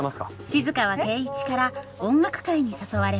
静は圭一から音楽会に誘われます